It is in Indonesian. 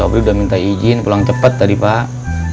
sobri udah minta izin pulang cepet tadi pak